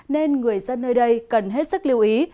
nên người dân nơi đây cần hết sức lưu ý